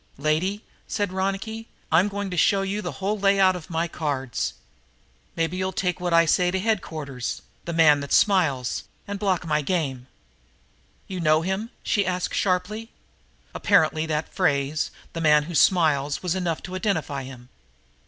"Lady," said Ronicky, "I'm going to show you the whole layout of the cards. Maybe you'll take what I say right to headquarters the man that smiles and block my game." "You know him?" she asked sharply. Apparently that phrase, "the man who smiles," was enough to identify him.